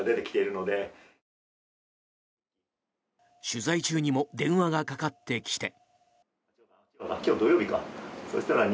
取材中にも電話がかかってきて。